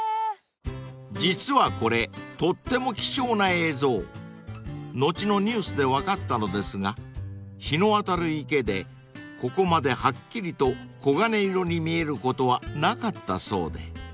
［実はこれとっても貴重な映像］［後のニュースで分かったのですが日の当たる池でここまではっきりと黄金色に見えることはなかったそうで］